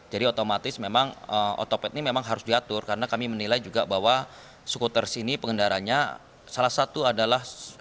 jadi otomatis memang otopet ini harus diatur karena kami menilai juga bahwa skuter ini pengendaranya salah satu adalah